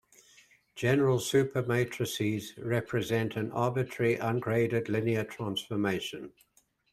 General supermatrices represent an arbitrary ungraded linear transformation.